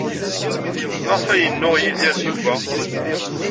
Maɣef ay yennuɣ Yidir ed Yuba?